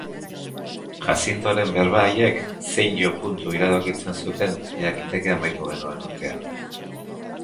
Jazintoren berba haiek zein jopuntu iradokitzen zuten jakiteke amaitu genuen urtea.